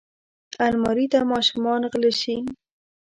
الماري ته ماشومان غله شي